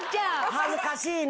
恥ずかしいの。